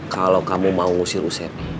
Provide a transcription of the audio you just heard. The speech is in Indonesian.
kalau kamu mau ngusir uset